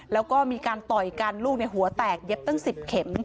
แล้วก็มีการต่อยกันลูกหัวแตกเย็บตั้ง๑๐เข็ม